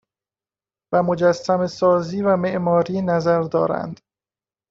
و مجسمهسازی و معماری نظر دارند